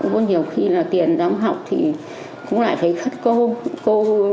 có nhiều khi là tiền đóng học thì cũng lại phải khắt cô